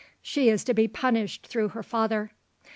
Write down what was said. She is to be punished through her father.